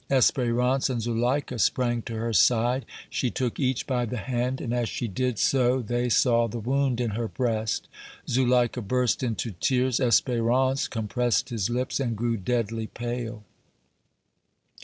Espérance and Zuleika sprang to her side; she took each by the hand, and as she did so they saw the wound in her breast. Zuleika burst into tears. Espérance compressed his lips and grew deadly pale.